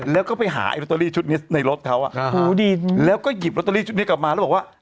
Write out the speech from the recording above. แล้วก็ไปหาไอลอตเตอรี่ชุดนี้ในรถเขาอ่ะแล้วก็หยิบลอตเตอรี่ชุดนี้กลับมาแล้วบอกว่า